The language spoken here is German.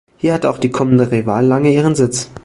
Hier hatte auch die Kommende Reval lange ihren Sitz.